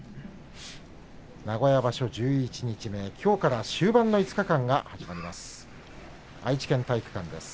名古屋場所、十一日目きょうから終盤の５日間が始まります。